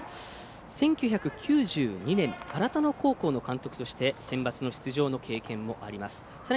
１９９２年新野高校の監督としてセンバツの出場の経験もあります。